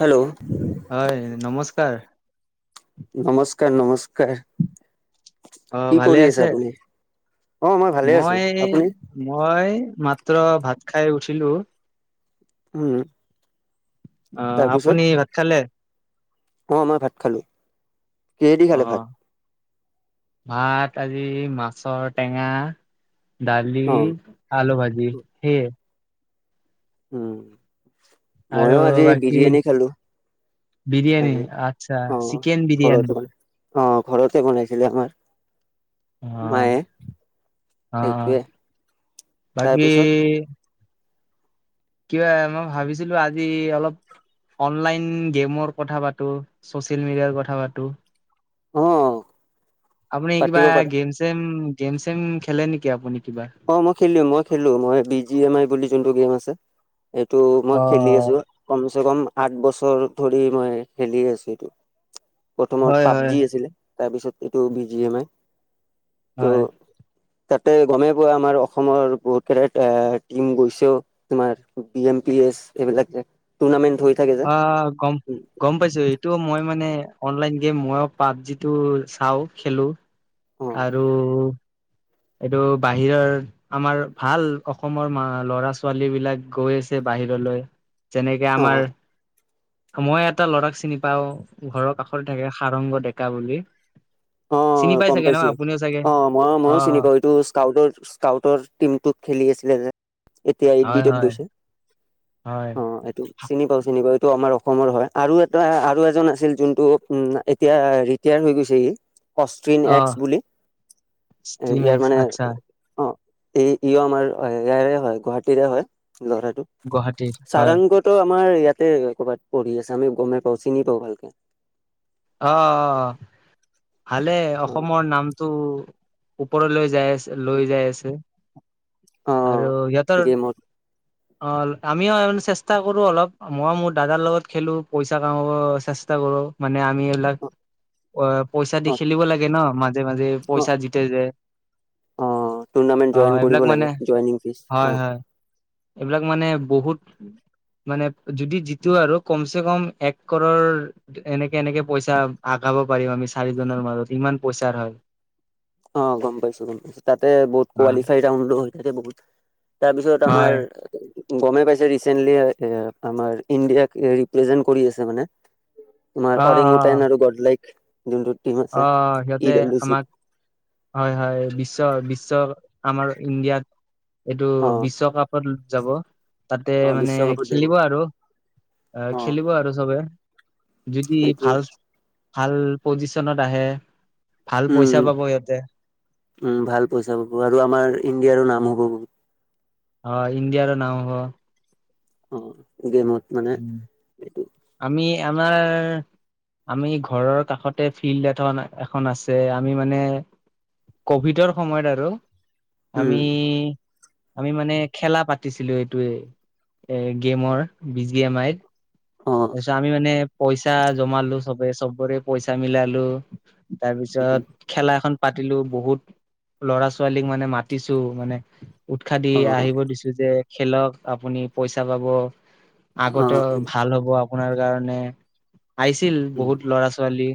Hello হয়, নমস্কাৰ। নমস্কাৰ, নমস্কাৰ। অ', কি ভালে কৰি আছে? আপুনি অ ভালে আছো মই আপুনি মই মাত মাত্ৰ ভাত খাই উঠিলো। উম। অ', তাৰপিছত আপুনি ভাত খালে? অ', মই ভাত খালোঁ। অ'। ভাত আজি মাছৰ টেঙা দালি, অ আলু ভাজি সেয়ায়ে। উম, আৰু ময়ো আজি বাকী বিৰিয়ানী খালো। বিৰিয়ানী আজি আচ্ছা, অ চিকেন ঘৰত বিৰিয়ানি। মানে অ', ঘৰতে বনাইছিলে আমাৰ। অ', মায়ে অ', এইটোৱে। বাকী তাৰপিছত কিবা মই ভাবিছিলো আজি অলপ অনলাইন গেমৰ কথা পাতো, ছচিয়েল মিডিয়াৰ কথা পাতো। অ আপুনি কিবা পাতিব পাৰা গেম চেম গেম চেম খেলে নেকি আপুনি? কিবা? অ', মই খেলো মই খেলো মই বি জি এম আই বুলি যোনটো গেম আছে। এইটো অ', মই খেলি আছো। কমচেকম আঠ বছৰ ধৰি মই খেলিয়ে আছো এইটো। হয়, প্ৰথমত হয়, পাবজি আছিলে, তাৰপিছত এইটো বি জি এম আই। ত' হয়, তাতে গমে আমাৰ অসমৰ বহুত কেইটা টিম গৈছেও। তোমাৰ বি এম পি এছ এইবিলাক। টোৰ্নামেট অ', গম-গম পাইছো এইটো মই মানে অনলাইন গেম মইো পাবজিটো চাওঁ খেলো অ আৰু এইটো বাহিৰৰ আমাৰ ভাল অসমৰ ল'ৰা ছোৱালীবিলাক গৈ আছে বা বাহিৰলৈ যেনেকে অ আমাৰ মই এটা ল'ৰাক চিনি পাও ঘৰৰ কাষতে থাকে সাৰংগ ডেকা বুলি। চিনি অ', পাই গম চাগে ন পাইছো আপুনিও চাগে অ' মই-মই চিনি অ', পাওঁ সেইটো স্কাউটৰ-স্কাউটৰ টিমটোত খেলি আছিলে যে। এতিয়া ইট হয়, বিটত হয়, গৈছে। হয়, অ' এইটো চিনি পাওঁ চিনি পাওঁ। তো আমাৰ অসমৰ হয় আৰু এটা আৰু এজন আছিল যোনটো উম এতিয়া ৰিটায়াৰ হৈ গৈছে। অষ্ট্ৰিন এক্স অ'। বুলি টিম ইয়াৰ এক্স মানে আচ্ছা অ'। এই ই আমাৰ ইয়াৰে হয় গুৱাহাটীৰে হয়। ল'ৰাটো। গুৱাহাটীৰ হয় সাৰাংগত আমাৰ ইয়াত তো ক'ৰবাত পঢ়ি আছে আমি গ'মেই পাওঁ চিনি পাওঁ ভালকে। অ', অ', ভালে অ অসমৰ নামটো ওপৰলৈ যাই আছে লৈ যাই আছে। অ আৰু সিহঁতৰ গেমত অ', আমিও চেষ্টা কৰো অলপ মই মোৰ দাদাৰ লগত খেলো পইচা কামাব চেষ্টা কৰো। মানে আমি এইবিলাক অ' পইচা অ দি খেলিব লাগে ন মাজে মাজে অ পইচা জিকে যে। অ', টুৰ্ণামেণ্ট অ জইন কৰিব এইবিলাক মানে লাগে জইন ফ্ৰিচ হয় অ'। হয় এইবিলাক মানে বহুত মানে যদি যিটো আৰু কমচে কম এক ক'ৰৰ এনেকে এনেকে পইচা ভাগাব পাৰিম আমি চাৰিজনৰ মাজত ইমান পইচাৰ হয়। অ' গ'ম পাইছো গ'ম পাইছো। তাতে বহুত কোৱালিফাইউল হৈ থাকে বহুত। তাৰপিছত আমাৰ হয় গ'মেই পাইছে ৰিচেন্টলি আমাৰ ইণ্ডিয়াক ৰিপ্ৰেজেন্ট কৰি আছে মানে। তোমাৰ অ অ অৰেং, উটন আৰু গদলাইক। অহ, সিহঁতে ডাব্লিউ চিত আমাক হয় হয়, বিশ্ব বিশ্ব আমাৰ ইণ্ডিয়াত, এইটো অ বিশ্বকাপত যাব, তাতেই অ মানে বিশ্বকাপত যাব খেলিব আৰু, অ', খেলিব আৰু চবেই। যদি সেইটোৱে ভাল, ভাল পজিচনত আহে। ভাল উম পইচা পাব সিহঁতে উম, ভাল পইছা পাব আৰু আমাৰ ইণ্ডিয়াৰো নাম হ'ব বোলো। হয়, ইণ্ডিয়াৰো নাম হ'ব। অ', গেমত মানে, এইটো এ আমাৰ আমি ঘৰৰ কাষতে ফিল্ড এখন এখন আছে, আমি মানে কভিডৰ সময়ত আৰু, আমি উম আমি মানে খেলা পাতিছিলো, এইটোৱেই, এই গেমৰ। বি জি এম আইত, অ তাৰপিছত আমি মানে পইচা জমালো চবেই, চবৰে পইচা মিলালো, তাৰ উম পিছত খেলাখন পাতিলো, বহুত ল'ৰা ছোৱালীক মানে মাতিছো, মানে উৎসাহ দি অ আহিব দিছো যে, খেলক আপুনি, পইচা পাব। অ আগতেও ভাল হ'ব, আপোনাৰ কাৰণে। আহিছিল উম বহুত ল'ৰা ছোৱালী,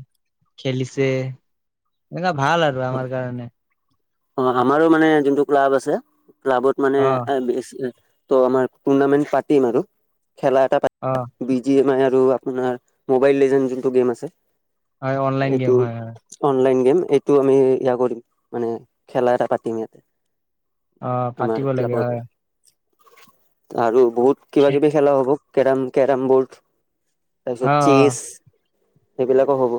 অ খেলিছে এনেকুৱা ভাল আৰু হয় আমাৰ কাৰণে। অ', আমাৰো মানে যোনটো ক্লাব আছে, ক্লাবত মানে অ ত' আমাৰ টুৰ্ণামেন্ট পাতিম আৰু, খেলা এটা অ [unintelligible] বি জি এম আই আৰু আপোনাৰ মোবাইল লিজেণ্ড যোনটো গেম আছে, হয় অনলাইন এইটো গেম হয় হয় অনলাইন গেম। তো আমি ইয়া কৰিম, মানে খেলা এটা পাতিম ইয়াত। অ', পাতিব লাগে, হয়। আৰু বহুত কিবা কিবি খেলা হ'ব, কেৰম কেৰম বৰ্ড। অ তাৰপিছত অ চেছ, সেইবিলাকো হ'ব।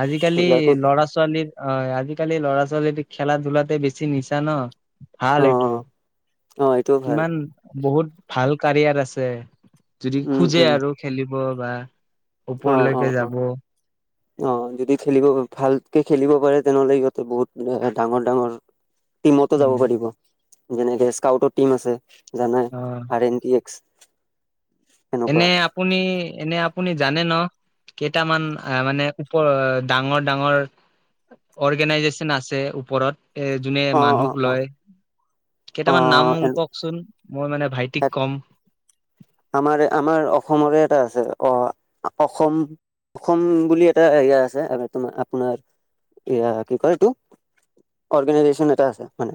আজিকালি সেইবিলাকো ল'ৰা ছোৱালীৰ, অ', আজিকালি ল'ৰা-ছোৱালীৰ খেলা- ধূলাতে বেছি নিচা ন'। অ ভাল এইটো, অ এইটোও ভাল কিমান বহুত ভাল কাৰিয়াৰ আছে। যদি উম, খোজে উম, আৰু খেলিব বা অ', ওপৰলৈকে অ', অ', যাব। অ', যদি খেলিব, ভালকে খেলিব পাৰে, তেনেহ'লে সিহঁতে বহুত ডাঙৰ ডাঙৰ টিমতটো যাব উম, পাৰিব, যেনেকে স্কাউটৰ টিম আছে। জানাই, অ' আৰ এন টি এক্স। এনে সেনেকুৱা আপুনি, এনে আপুনি জানে ন'। কেইটামান, আহ, মানে ওপ ডাঙৰ ডাঙৰ অৰ্গেনাইজেচন আছে ওপৰত, এ যোনে অ', মানুহক অ', অ', লয়। কেইটামান নাম অ', মোক কওঁকচোন, মই মানে ভাইটিক কম। আমাৰ আমাৰ অসমৰেই এটা আছে, অ', অসম অসম বুলি এটা এৰিয়া আছে, আ, তোমাৰ আপোনাৰ এইয়া কি কয় এইটো? অৰ্গেনাইজেচন। এটা আছে, মানে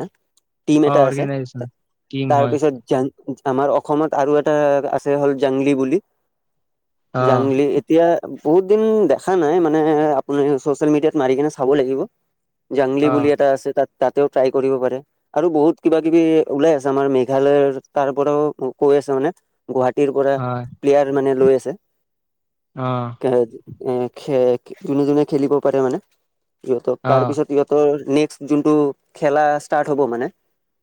টিম অ' এটা আছে, অৰ্গেনাইজেচন টিম হয় তাৰপিছত জান আমাৰ অসমত আৰু এটা আছে হ'ল, জাংলি বুলি, অ' জাংলি এতিয়া বহুত দিন দেখা নাই, মানে আপুনি চচিয়েল মিডিয়াত মাৰি কিনে চাব লাগিব। জাংলি বুলি অ' এটা আছে, তাত তাতেও ট্ৰাই কৰিব পাৰে, আৰু বহুত কিবা কিবি ওলাই আছে, আমাৰ মেঘালয়ৰ তাৰ পৰাও কৈ আছে মানে। গুৱাহাটীৰ পৰা হয় প্লেয়াৰ মানে লৈ আছে, অ'। এ এ খে জোনে জোনে খেলিব পাৰে মানে, সিহঁতক অ', তাৰ পিছত সিহঁতৰ নেক্স টো খেলা ষ্টাৰ্ট হ'ব মানে,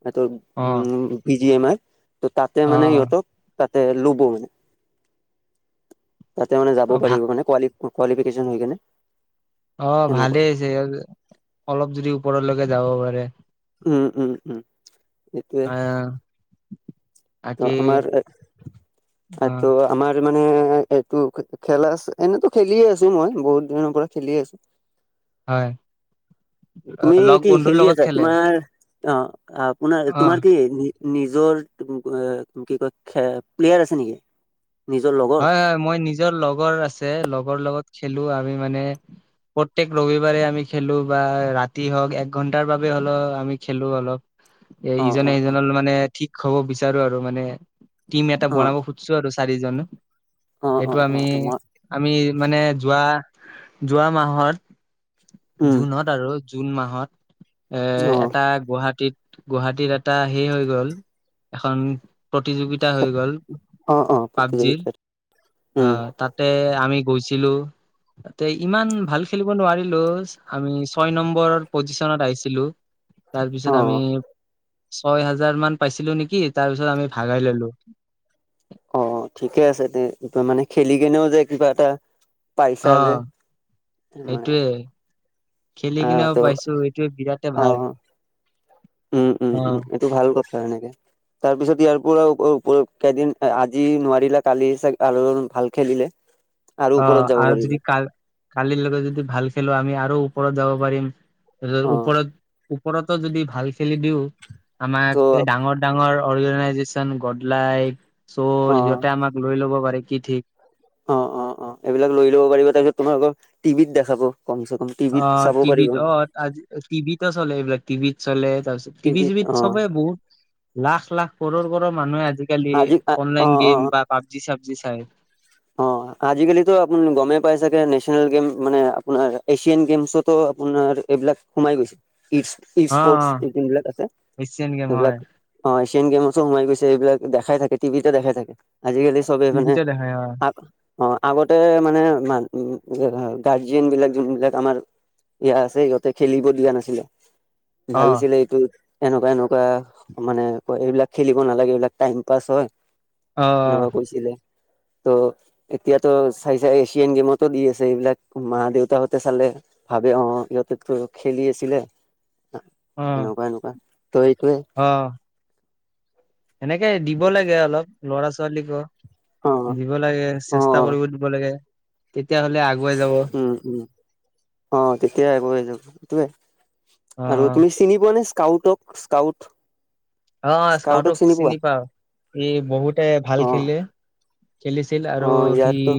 এইটো অ', উম, বি জি এম আই। ত' তাতে মানে অ', ইহঁতক, তাতেই ল'ব মানে। তাতে মানে যাব অ', ভা পাৰিব মানে, কোৱালি- কোৱালিফিকেচন হৈ কিনে। অ', ভালেই হৈছে, অলপ যদি ওপৰলৈকে যাব পাৰে। উম, উম, উম। এইটোৱে আহ, ত বাকী আমাৰ, অ', আমাৰ। মানে এইটো খেলা আছে, এনেতো খেলিয়ে আছো মই বহুত দিনৰ পৰা খেলি আছো। হয় তুমি লগ কি বন্ধুৰ খেলি লগত আছা? খেলে তোমাৰ অ', আপোনাৰ তোমাৰ অ', কি নিজৰ কি কয় কে-প্লেয়াৰ আছে নেকি? নিজৰ লগৰ হয়, হয় মই নিজৰ লগৰ আছে, লগৰ লগত খেলো আমি মানে। প্ৰত্যেক ৰবিবাৰে আমি খেলো বা ৰাতি হওঁক, এক ঘন্টাৰ বাবে হলেও আমি খেলো অলপ। অ', ইজনে অ', সিজন অ', মানে ঠিক হব বিচাৰো আৰু মানে। টিম এটা অ', বনাব খুজিছো আৰু চাৰিজনে। অ', সেইটো অ', আমি, অ', মই আমি মানে যোৱা। যোৱা মাহত উম, জুনত আৰু জুন মাহত। এ, অ', এটা গুৱাহাটীত, গুৱাহাটীত এটা সেই হৈ গ'ল এখন প্ৰতিযোগিতা হৈ গ'ল, অ', অ', পাবজিৰ প্ৰতিযোগিতাত উম, অ', তাতে। আমি গৈছিলোঁ। তাতে ইমান ভাল খেলিব নোৱাৰিলো, আমি ছয় নম্বৰ পজিচনত আহিছিলোঁ। তাৰপিছত আমি অ', ছয় হাজাৰ মান পাইছিলো নেকি, তাৰ পিছত আমি ভাগাই ল'লো। অ', ঠিকে আছে তে, মানে খেলি কেনেও যে কিবা এটা। অ পাইচা যে। সেইটোয়ে খেলি আহ কিনেও ত' পাইছো, এইটোৱে বিৰাটেই ভাল। অ', উম, উম, অ উম এইটো ভাল কথা এনেকে। তাৰ পিছত ইয়াৰ পৰা কেইদিন আজি নোৱাৰিলে কালি চাগে আৰু ভাল খেলিলে? আৰু ওপৰত অ', যাব আৰু যদি পাৰিবা কাল-কালিৰ লৈকে যদি ভাল খেলো আমি আৰু ও ওপৰত যাব পাৰিম, অ, ওপৰত, ওপৰতো যদি ভাল খেলি দিওঁ। ত' আমাক এই ডাঙৰ, ডাঙৰ অৰ্গেনাইজেচন গদলাই। অ, চ' সিহঁতে আমাক লৈ ল'ব পাৰে কি ঠিক। অ', অ', অ' এইবিলাক লৈ লব পাৰিব, তাৰপিছত তোমাৰ আকৌ টিভিত দেখাব। কমচে কম টিভিত অ', চাব পাৰিব টিভিত অ', আজি টিভিতো চলে এইবিলাক টিভিত চলে। তাৰপিছত টিভিত টিভি-চিবিত অ, চবে বহুত লাখ, লাখ কৰৰ, কৰৰ মানুহে আজি আজিকালি আজি অ, অ, অনলাইন গেম বা পাবজি চাবজি চাই। অ', আজিকালিতো আপুনি গমেই পাই চাগে, নেশচনেল গেম মানে আপোনাৰ এছিয়ান গেমছোতো। আপোনাৰ এইবিলাক সোমাই গৈছে। অ ই-ইস্পৰ্ট অ বিলাক আছে, এছিয়ান গেম এইবিলাক হয় অ', এছিয়ান গেম। সোমাই গৈছে, এইবিলাক দেখাই থাকে টিভিতে দেখাই থাকে আজিকালি চবে মানে টিভিতে দেখাই হয় অ', আগতে মানে উম, গাৰ্জিয়ন বিলাক যোন বিলাক আমাৰ। ইয়া আছে ইিহতে খেলিব দিয়া নাছিলে, অ ভাবিছিলে এইটো! এনেকুৱা, এনেকুৱা মানে কয় এইবিলাক খেলিব নালাগে, এইবিলাক টাইম পাছ হয়। অ এনেকুৱা কৈছিলে। ত' এতিয়াতো চাই, চাই এছিয়ান গেমতো দি আছে, এইবিলাক মা দেউতাহতে চালে ভ অ', ইহঁতে তো খেলি আছিলে। অ এনেকুৱা, এনেকুৱা ত এইতিয়েই। এনেকে দিব লাগে অলপ ল'ৰা ছোৱালীকো। অ দিব লাগে, অ চেষ্টা কৰিব দিব লাগে। তেতিয়াহলে আগুৱাই যাব। উম উম অ', তেতিয়াই আগুৱাই যাব, সেইটোয়ে আৰু অ', তুমি চিনি পোৱা নে? স্কাউটক, স্কাউট। অ', স্কাউটক চিনি পাওঁ। ই বহুতে ভাল অ খেলিলে। খেলিছিল অ আৰু সি ইয়াতো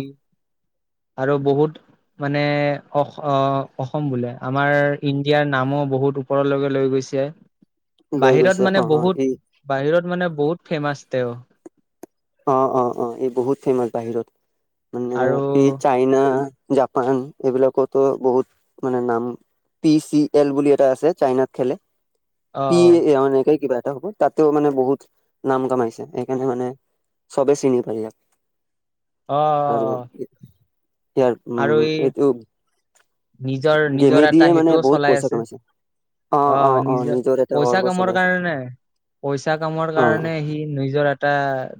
আৰু বহুত মানে অস অ', অসম বোলে আমাৰ ইণ্ডিয়াৰ নামো বহুত ওপৰলৈকে লৈ গৈছে। লৈ গৈছে বাহিৰত মানে অ অ বহুত ই বাহিৰত মানে বহুত ফেমাছ তেঁও। অ অ অ, ই বহুত ফেমাচ বাহিৰত মানে আৰু এই চাইনা জাপান এইবিলাকতো বহুত মানে নাম পি চি এল বুলি এটা আছে চাইনাত খেলে। পি অ' এনেকে কিবা এটা হ'ব। তাতেও মানে বহুত নাম কামাইছে সেইকাৰণে মানে চবে চিনি পায় ইয়াক। অ আৰু অ অ। ইয়াৰ আৰু উম, ই এইটো নিজৰ নিজৰ গেমে এটা দিয়ে মানে সেইটোও বহুত চলাই পইচা আছে। কামাইছে। অ অ অ, নিজৰ এটা পইচা অৰ্গ কামৰ চলাই আছে। কাৰণে পইচা কামৰ অ কাৰণে সি নিজৰ এটা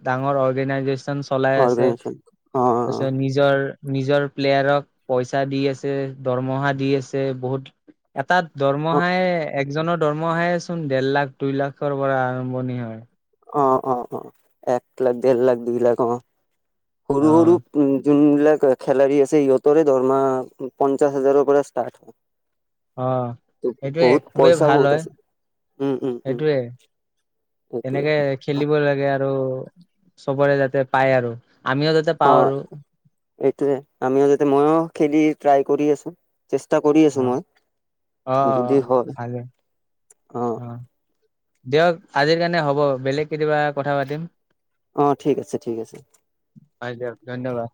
ডাঙৰ অৰ্গেনাইজেচ চন চলাই আছে। অৰ্গেনাইজেচন অ তাৰপিছত নিজৰ নিজৰ প্লেয়াৰক পইচা দি আছে, দৰমহা দি আছে। বহুত এটাত অ দৰমহাই একজনৰ দৰমহাই চোন দেৰ লাখ দুই লাখৰ পৰা আৰম্ভণি হয়। অ অ অ, এক লাখ, দেৰ লাখ, দুই লাখ অ', সৰু অ সৰু উ যোনবিলাক খেলাৰী আছে সিহঁতৰে দৰমহা পঞ্চাশ হাজাৰৰ পৰা ষ্টাৰ্ট হয়। অ, ত' এইটোৱে বহুত খুবেই পইচা ভাল বহুত হয় আছে উম উম উম এইটোৱে। সেইটোৱে এনেকে খেলিব লাগে আৰু চবৰে যাতে পায় আৰু। আমিও যাতে পাওঁ অ', আৰু এইটোৱে আমিও যাতে ময়ো খেলি ট্ৰাই কৰি আছোঁ। অ', অ অ যদি অ, হয় ভালে। অ, দিয়ক আজিৰ কাৰণে হ'ব। বেলেগ কেতিয়াবা কথা পাতিম। অ ঠিক আছে ঠিক আছে হয় দিয়ক ধন্যবাদ।